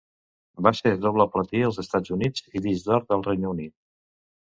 Va ser doble platí als Estats Units i disc d'Or al Regne Unit.